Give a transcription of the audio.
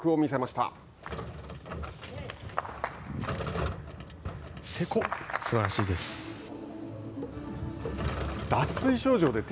すばらしいです。